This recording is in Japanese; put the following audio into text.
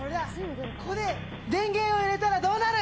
これ、電源を入れたらどうなる？